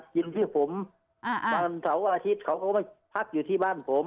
ยืนที่ผมอ่าอ่าบ้านเสาร์อาทิตย์เขาก็ไม่พักอยู่ที่บ้านผม